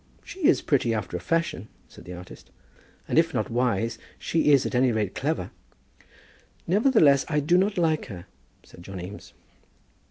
"She is pretty after a fashion," said the artist, "and if not wise, she is at any rate clever." "Nevertheless, I do not like her," said John Eames.